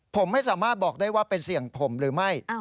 ผมไม่สามารถบอกได้ว่าเป็นเสียงผมหรือไม่